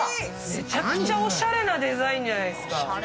めちゃくちゃおしゃれなデザインじゃないですか。